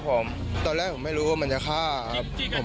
สวัสดีครับ